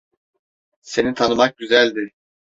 Seni tanımak güzeldi.